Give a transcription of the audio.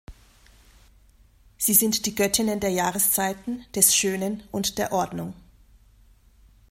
Sie sind die Göttinnen der Jahreszeiten, des Schönen und der Ordnung.